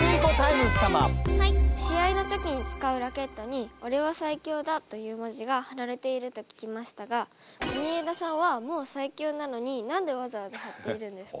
試合の時に使うラケットに「オレは最強だ！」という文字が貼られていると聞きましたが国枝さんはもう最強なのに何でわざわざ貼っているんですか？